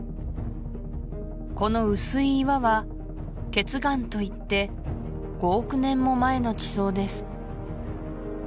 この薄い岩は頁岩といって５億年も前の地層です